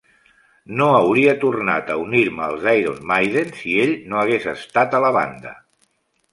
No hauria tornat a unir-me als Iron Maiden si ell no hagués estat a la banda.